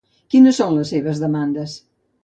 Quines són les seves demandes?